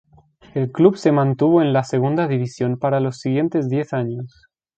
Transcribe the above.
El club se mantuvo en la segunda división para los siguientes diez años.